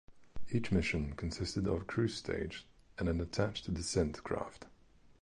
Each mission consisted of a cruise stage and an attached descent craft.